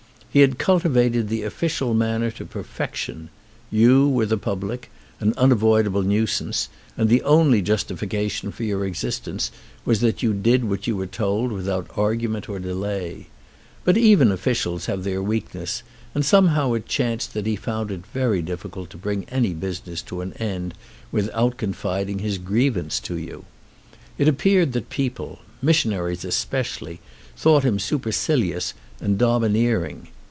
He had cultivated the official man ner to perfection. You were the public, an un avoidable nuisance, and the only justification for your existence was that you did what you were told without argument or delay. But even offi cials have their weakness and somehow it chanced that he found it very difficult to bring any busi ness to an end without confiding his grievance to you. It appeared that people, missionaries especially, thought him supercilious and domineer ing.